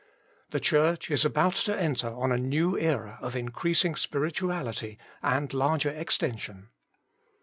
The Church is about to enter on a new era of increasing spirituality and larger extension.